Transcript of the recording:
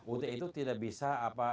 ut itu tidak bisa